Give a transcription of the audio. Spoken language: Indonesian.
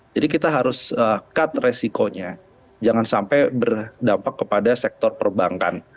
jadi kita harus cut resikonya jangan sampai berdampak kepada sektor perbankan